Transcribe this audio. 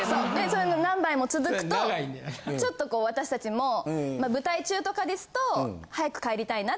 そういうの何杯も続くとちょっとこう私たちも舞台中とかですと。